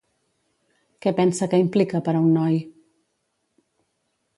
Què pensa que implica per a un noi?